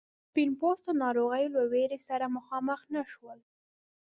سپین پوستو ناروغیو له ویرې سره مخامخ نه شول.